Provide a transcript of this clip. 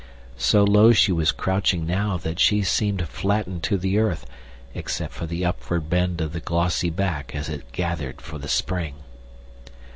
So low she was crouching now that she seemed flattened to the earth except for the upward bend of the glossy back as it gathered for the spring.